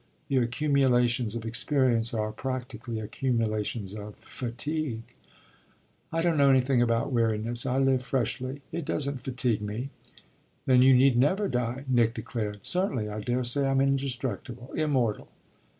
The accumulations of experience are practically accumulations of fatigue." "I don't know anything about weariness. I live freshly it doesn't fatigue me." "Then you need never die," Nick declared. "Certainly; I daresay I'm indestructible, immortal."